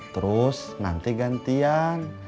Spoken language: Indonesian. terus nanti gantian